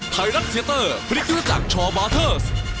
ไทยรัฐเทียเตอร์พริกรู้จักชอมาเทอร์ส